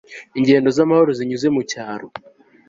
Ingendo zamahoro zinyuze mucyaro